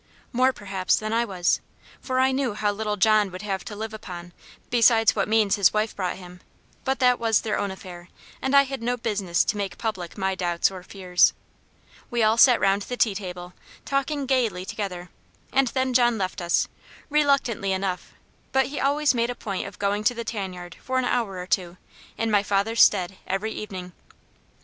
More, perhaps, than I was; for I knew how little John would have to live upon besides what means his wife brought him; but that was their own affair, and I had no business to make public my doubts or fears. We all sat round the tea table, talking gaily together, and then John left us, reluctantly enough; but he always made a point of going to the tan yard for an hour or two, in my father's stead, every evening.